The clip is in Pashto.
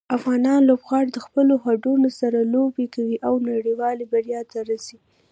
افغان لوبغاړي د خپلو هوډونو سره لوبه کوي او نړیوالې بریا ته رسي.